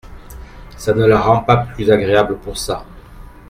Ça ne la rend pas plus agréable pour ça.